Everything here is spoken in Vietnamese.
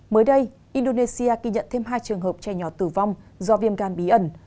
mới đây indonesia ghi nhận thêm hai trường hợp trẻ nhỏ tử vong do viêm gan bí ẩn